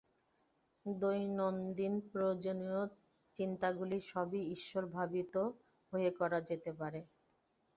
দৈনন্দিন প্রয়োজনীয় চিন্তাগুলি সবই ঈশ্বর-ভাবিত হয়ে করা যেতে পারে।